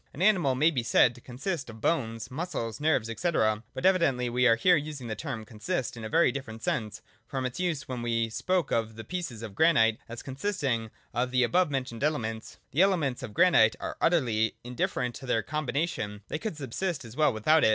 An animal may be said to consist of bones, muscles, nerves, &c. : but evidently we are here using the term ' consist ' in a very different sense from its use when we spoke of the piece of granite as con sisting of the above mentioned elements. The elements of granite are utterly indifferent to their combination : they could subsist as well without it.